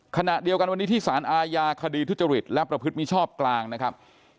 ขณะเดียวกันวันนี้ที่สารอาญาคดีทุจริตและประพฤติมิชอบกลางนะครับ